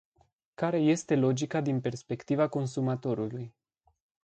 Care este logica din perspectiva consumatorului?